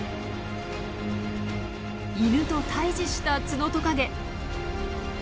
イヌと対峙したツノトカゲ。